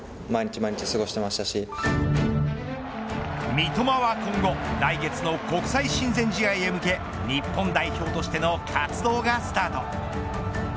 三笘は今後来月の国際親善試合へ向け日本代表としての活動がスタート。